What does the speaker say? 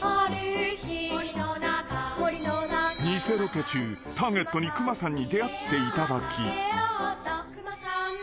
［偽ロケ中ターゲットにくまさんに出会っていただき］